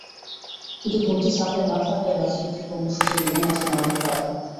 কিন্তু দলটি চাপে না থাকলে রাজনৈতিক কর্মসূচি নিয়ে মাঠে নামতে পারে।